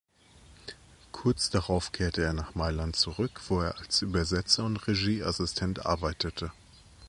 Kurz darauf kehrte er nach Mailand zurück, wo er als Übersetzer und Regieassistent arbeitete.